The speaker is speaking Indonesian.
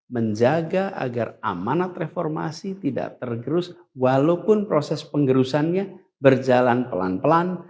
menjaga agar amanat reformasi tidak tergerus walaupun proses penggerusannya berjalan pelan pelan